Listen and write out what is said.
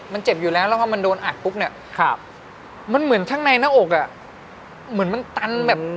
มันเจ็บอยู่แล้วแล้วพอมันโดนอัดปุ๊บเนี่ยมันเหมือนข้างในหน้าอกอ่ะเหมือนมันตันแบบ